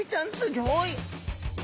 ギョい。